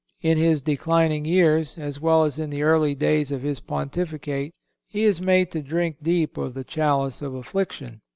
In his declining years, as well as in the early days of his Pontificate, he is made to drink deep of the chalice of affliction.